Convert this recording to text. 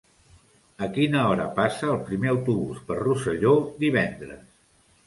A quina hora passa el primer autobús per Rosselló divendres?